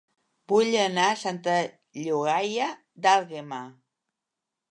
Vull anar a Santa Llogaia d'Àlguema